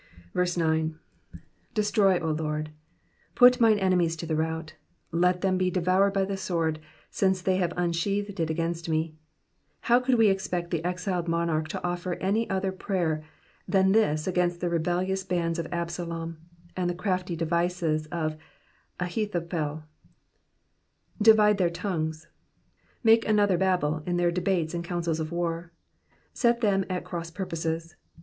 9. ''^DesProy^ 0 Lord,''^ Put mine enemies to the rout. Let them be devoured by the sword, since they have unsheathed it against me. How could we expect the exiled monarch to offer any other prayer than this against the rebellious bands of Absalom, and the crafty devices of Ahithophel ? ''Divide their tongues,''^ Make another Babel in their debates and councils of war. Set them at cross purposes.